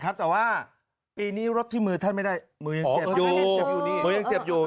ครับแต่ว่าปีนี้รดที่มือท่านไม่ได้มือยังเจ็บอยู่มือยังเจ็บอยู่